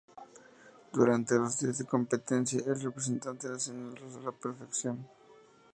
Durante los días de competencia, el representante nacional rozó la perfección.